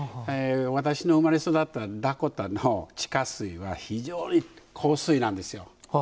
私の生まれ育ったダコタの地下水は非常に硬水なんですよ。